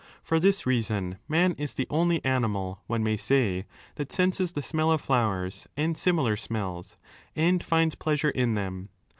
For this reason man is the only animal, one may say, that senses the smell of flowers and similar smells, and finds pleasure in them.